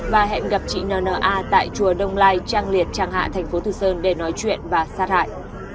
và hẹn gặp chị n n a tại chùa đông lai trang liệt trang hạ thành phố từ sơn để nói chuyện và sát hại